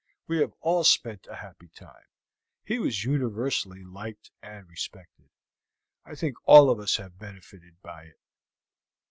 We have all spent a happy time; he was universally liked and respected. I think all of us have benefited by it.